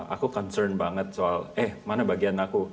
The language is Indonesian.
aku concern banget soal eh mana bagian aku